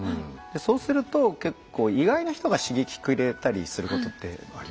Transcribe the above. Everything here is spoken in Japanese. そうすると結構意外な人が刺激くれたりすることって。